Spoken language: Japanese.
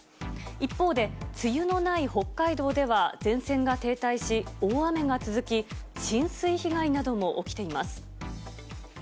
一方で、梅雨のない北海道では前線が停滞し、大雨が続き、浸水被害なども起きています。